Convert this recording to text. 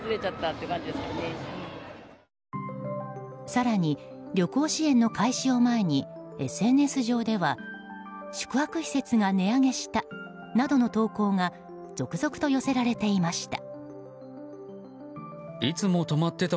更に、旅行支援の開始を前にＳＮＳ上では宿泊施設が値上げしたなどの投稿が続々と寄せられていました。